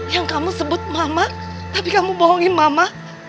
yang kamu sebut mama tapi kamu bohongin mama